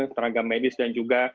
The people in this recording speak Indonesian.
tenaga medis dan juga